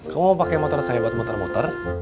kamu pakai motor saya buat muter muter